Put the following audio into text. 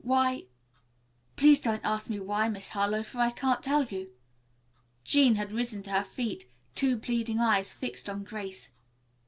Why " "Please don't ask me why, Miss Harlowe, for I can't tell you." Jean had risen to her feet, two pleading eyes fixed on Grace.